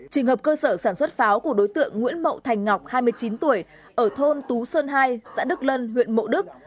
trường hợp cơ sở sản xuất pháo của đối tượng nguyễn mậu thành ngọc hai mươi chín tuổi ở thôn tú sơn hai xã đức lân huyện mộ đức